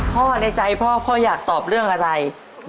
ในใจพ่อพ่ออยากตอบเรื่องอะไร